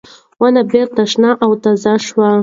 ونه بېرته شنه او تازه شوه.